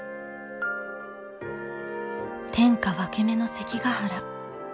天下分け目の関ヶ原。